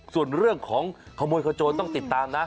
ส่วนเรื่องของขโมยขโจรต้องติดตามนะ